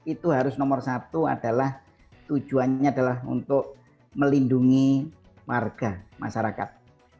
itu harus nomor satu adalah tujuannya adalah untuk melindungi warga masyarakat